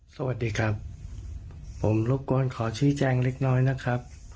สวัสดีครับผมรบกวนขอชี้แจงเล็กน้อยนะครับ